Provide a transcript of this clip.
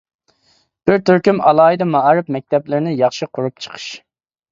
بىر تۈركۈم ئالاھىدە مائارىپ مەكتەپلىرىنى ياخشى قۇرۇپ چىقىش.